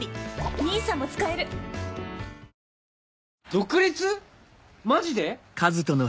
独立⁉マジで？